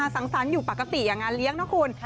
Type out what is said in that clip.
สังสรรค์อยู่ปกติอย่างงานเลี้ยงนะคุณ